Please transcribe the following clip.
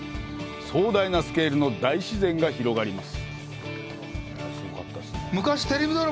壮大なスケールの大自然が広がります。